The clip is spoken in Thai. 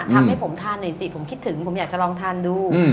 ทำให้ผมทานหน่อยสิผมคิดถึงผมอยากจะลองทานดู